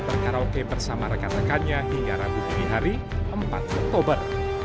berkaraoke bersama rekatakannya hingga rabu ini hari empat oktober